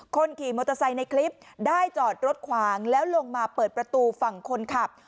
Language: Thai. คนขี่มอเตอร์ไซค์ในคลิปได้จอดรถขวางแล้วลงมาเปิดประตูฝั่งคนขับ